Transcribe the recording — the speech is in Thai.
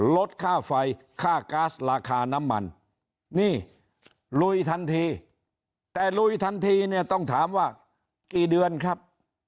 ลดค่าไฟค่าก๊าซราคาน้ำมันนี่ลุยทันทีแต่ลุยทันทีเนี่ยต้องถามว่ากี่เดือนครับ